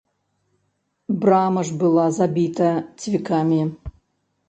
Брама ж была забіта цвікамі.